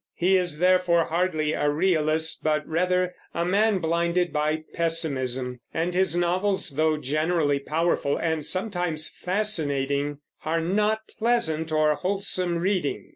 He is, therefore, hardly a realist, but rather a man blinded by pessimism; and his novels, though generally powerful and sometimes fascinating, are not pleasant or wholesome reading.